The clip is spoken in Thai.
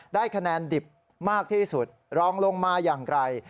ได้คะแนนดิบมากที่สุดรองลงมาอย่างไร